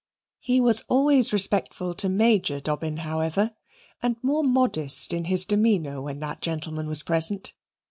He was always respectful to Major Dobbin, however, and more modest in his demeanour when that gentleman was present.